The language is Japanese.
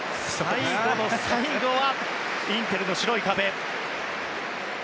最後の最後はインテルの白い壁。